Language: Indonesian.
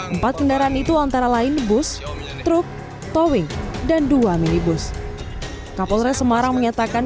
empat kendaraan itu antara lain bus truk towing dan dua minibus kapolres semarang menyatakan